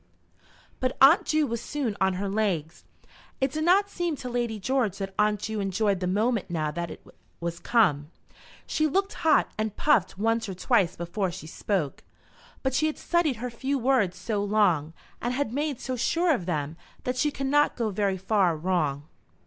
But Aunt Ju was soon on her legs. It did not seem to Lady George that Aunt Ju enjoyed the moment now that it was come. She looked hot, and puffed once or twice before she spoke. But she had studied her few words so long, and had made so sure of them, that she could not go very far wrong.